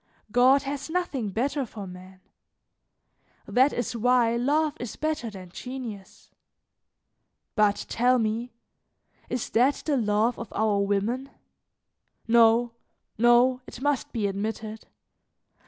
God has nothing better for man; that is why love is better than genius. But tell me, is that the love of our women? No, no, it must be admitted.